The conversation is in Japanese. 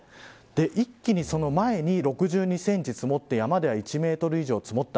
一気にその前に６２センチ積もって山では１メートル以上積もった。